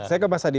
saya ke mas adi